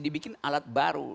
dibikin alat baru